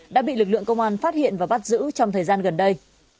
đã bị lực lượng công an phát hiện và bắt giữ trong thời gian gần đây